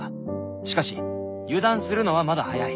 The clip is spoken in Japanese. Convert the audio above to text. しかし油断するのはまだ早い。